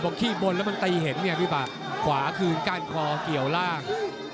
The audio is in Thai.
เพราะขี้บนแล้วมันตีเห็นเนี่ยพี่บ้างขวาคืนกั้นคอเกี่ยวล่าง